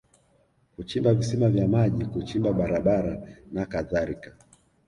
kuchimba visima vya maji kuchimba barabara na kadhalika